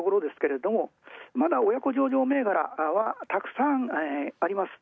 まだ親子上場銘柄はたくさんあります。